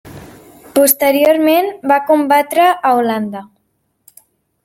Posteriorment va combatre a Holanda.